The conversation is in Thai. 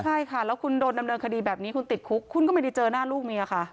ใช่ค่ะแล้วคุณโดนดำเนินคดีแบบนี้คุณติดคุกคุณก็ไม่ได้เจอหน้าลูกเมียค่ะ